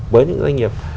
với những doanh nghiệp